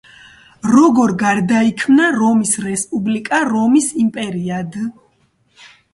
როგორ გარდაიქმნა რომის რესპუბლიკა რომის იმპერიად?